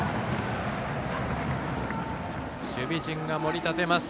守備陣が盛り立てます。